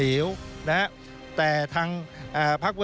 ส่วนต่างกระโบนการ